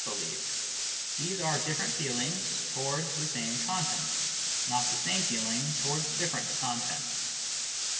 believed ; these are different feelings towards the same content, not the same feeling towards different contents.